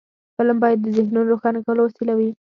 فلم باید د ذهنونو روښانه کولو وسیله وي